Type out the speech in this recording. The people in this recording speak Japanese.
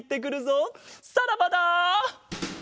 さらばだ！